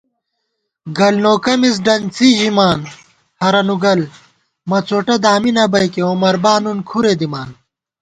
گلنوکہ مِز ڈنڅی ژِمان ہرَنُوگل، مڅوٹہ دامی نہ بئیکےعمربا نُن کھرےدِمان